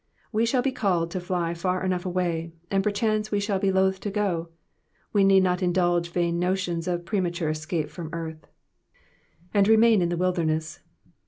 We shall be called to fly far enough away, and perchance we shall be loath to go ; we need not indulge vain notions of premature escape from earth. '''•And remain in the wilderness.''''